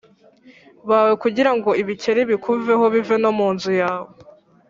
Bawe kugira ngo ibikeri bikuveho bive no mu mazu yawe